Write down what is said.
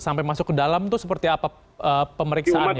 sampai masuk ke dalam itu seperti apa pemeriksaannya